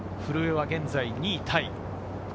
古江は現在２位タイ。